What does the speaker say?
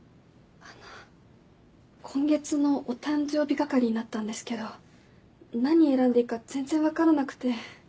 あの今月のお誕生日係になったんですけど何選んでいいか全然分からなくて。